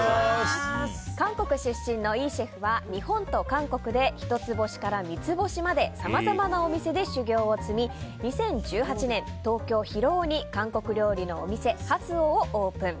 韓国出身のイシェフは日本と韓国で一つ星から三つ星までさまざまなお店で修業を積み２０１８年、東京・広尾に韓国料理のお店ハスオをオープン。